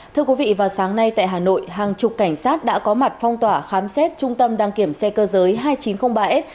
thưa quý vị vào sáng nay tại hà nội hàng chục cảnh sát đã có mặt phong tỏa khám xét trung tâm đăng kiểm xe cơ giới hai nghìn chín trăm linh ba s